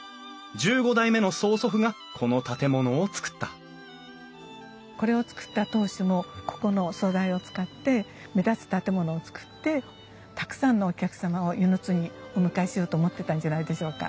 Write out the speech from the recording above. １５代目の曽祖父がこの建物をつくったこれをつくった当主もここの素材を使って目立つ建物をつくってたくさんのお客様を温泉津にお迎えしようと思ってたんじゃないでしょうか。